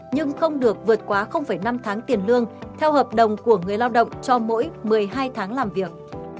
nhưng không được vượt quá năm tháng tiền lương theo hợp đồng của người lao động cho mỗi một mươi hai tháng làm việc